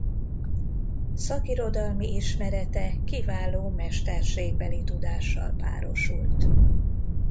Szakirodalmi ismerete kiváló mesterségbeli tudással párosult.